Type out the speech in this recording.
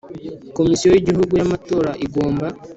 Komisiyo y Igihugu y Amatora igomba